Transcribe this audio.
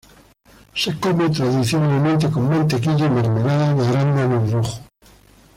Se come tradicionalmente con mantequilla y mermelada de arándano rojo.